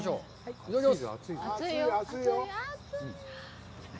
いただきます。